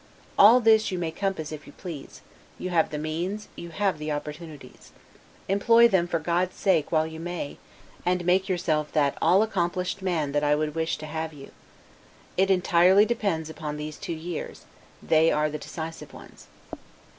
All this you may compass if you please; you have the means, you have the opportunities. Employ them, for God's sake, while you may, and make yourself that all accomplished man that I wish to have you. It entirely depends upon these two years; they are the decisive ones.